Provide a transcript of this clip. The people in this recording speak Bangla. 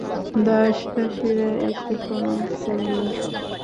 দাসদাসীরা এসে প্রণাম করলে।